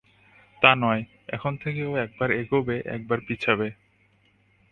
তা নয়, এখন থেকে ও একবার এগোবে, একবার পিছবে।